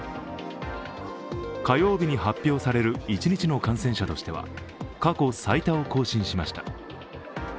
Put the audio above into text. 火曜日に発表される一日の感染者としては過去最多を更新しました。